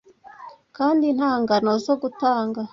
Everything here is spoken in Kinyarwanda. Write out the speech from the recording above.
Kandi, nta ngano zo gutanga,